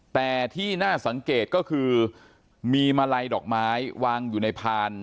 แต่ที่น่าสังเกตก็คือมีมาลัยดอกไม้วางอยู่ในพาน